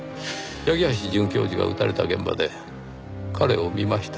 八木橋准教授が撃たれた現場で彼を見ました。